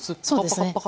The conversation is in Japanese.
そうですね。